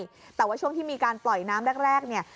แต่ว่าช่วงที่มีการปล่อยน้ำแรกเนี่ย